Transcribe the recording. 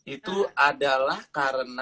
itu adalah karena